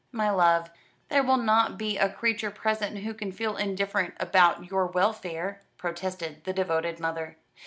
"My love, there will not be a creature present who can feel indifferent about your welfare," protested the devoted mother.